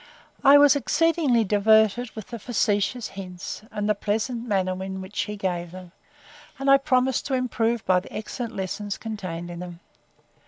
I was exceedingly diverted with the facetious hints, and the pleasant manner in which he gave them; and I promised to improve by the excellent lessons contained in them.